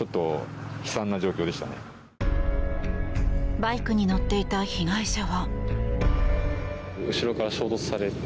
バイクに乗っていた被害者は。